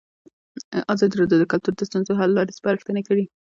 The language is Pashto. ازادي راډیو د کلتور د ستونزو حل لارې سپارښتنې کړي.